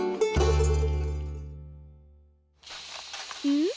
うん？